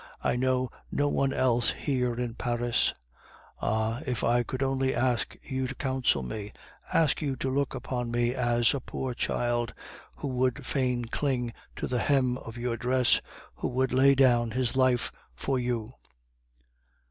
I know no one else here in Paris.... Ah! if I could only ask you to counsel me, ask you to look upon me as a poor child who would fain cling to the hem of your dress, who would lay down his life for you."